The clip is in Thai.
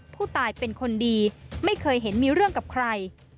ผู้ตายเป็นคนดีไม่เคยเห็นมีเรื่องกับใคร